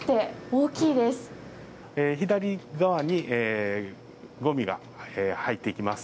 左側にごみが入っていきます。